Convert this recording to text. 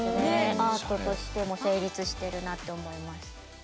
アートとしても成立してるなって思います。